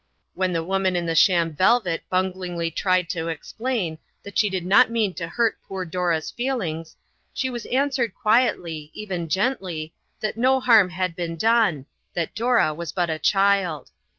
When the woman in the sham velvet bunglingly attempted to explain that she did not mean to hurt poor Dora's feelings, she was answered quietly, even gently, that no harm had been done, that Dora was but a child.